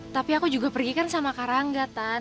tapi aku juga pergi kan sama karangga kan